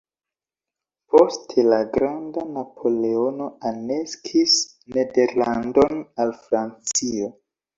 Poste la "granda" Napoleono aneksis Nederlandon al Francio.